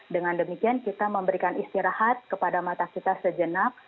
dengan demikian kita memberikan istirahat kepada mata kita sejenak